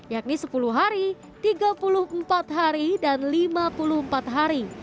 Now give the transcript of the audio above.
yakni sepuluh hari tiga puluh empat hari dan lima puluh empat hari